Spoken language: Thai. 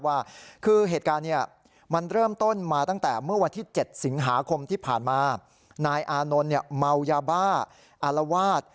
วันที่๗สิงหาคมที่ผ่านมานายอานนท์เมายาบ้าอารวาส